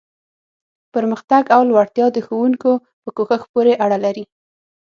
پرمختګ او لوړتیا د ښوونکو په کوښښ پورې اړه لري.